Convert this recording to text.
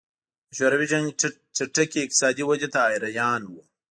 د شوروي چټکې اقتصادي ودې ته حیران وو